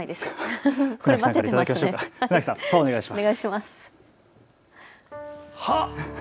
船木さん、お願いします。